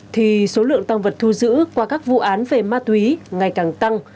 thì số lượng tăng vật thu giữ qua các vụ án về ma túy ngày càng tăng